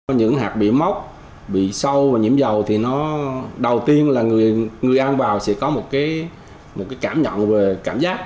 những hạt bị mốc bị sâu và nhiễm dầu thì nó đầu tiên là người ăn vào sẽ có một cái cảm nhận về cảm giác